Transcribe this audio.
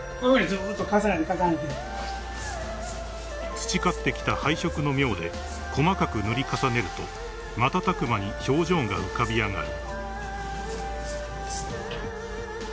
［培ってきた配色の妙で細かく塗り重ねると瞬く間に表情が浮かび上がる］